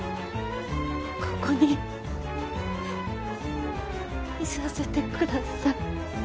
ここにいさせてください。